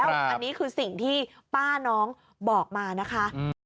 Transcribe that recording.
อันนี้คือสิ่งที่ป้าน้องบอกมานะคะ